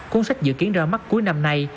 cuốn sách dự kiến ra mắt cuối năm nay